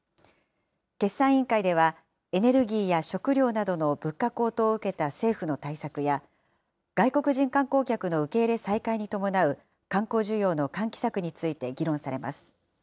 決算委員会では、エネルギーや食料などの物価高騰を受けた政府の対策や、外国人観光客の受け入れ再開に伴う観光需要の喚起策について議論されます。